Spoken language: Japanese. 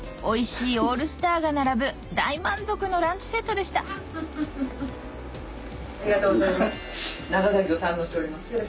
おいしいオールスターが並ぶ大満足のランチセットでしたありがとうございます。